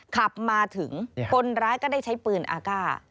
ขับมาถึงคนร้ายก็ได้ใช้ปืนอากาศ